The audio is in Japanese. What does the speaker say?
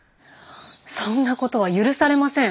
そんなことは許されません。